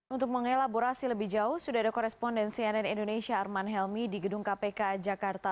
untuk mengelaborasi lebih jauh sudah ada koresponden cnn indonesia arman helmi di gedung kpk jakarta